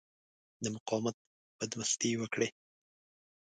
د مقاومت بدمستي وکړي.